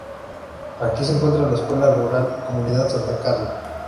Aquí se encuentra la escuela rural comunidad Santa Carla.